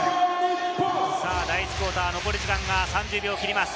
第１クオーター、残り時間が３０秒を切ります。